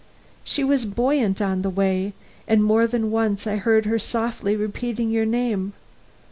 She was buoyant on the way, and more than once I heard her softly repeating your name.